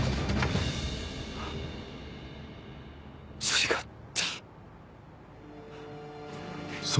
違った。